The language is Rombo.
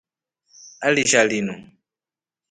Aliisha linu.